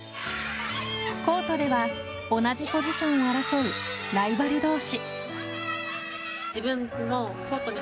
コートでは同じポジションを争うライバル同士。